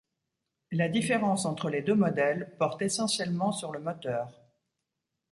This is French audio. La différence entre les deux modèles porte essentiellement sur le moteur.